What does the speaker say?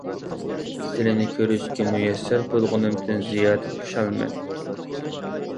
سىلىنى كۆرۈشكە مۇيەسسەر بولغىنىمدىن زىيادە خۇشالمەن.